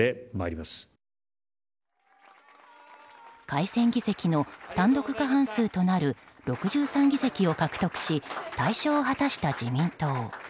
改選議席の単独過半数となる６３議席を獲得し大勝を果たした自民党。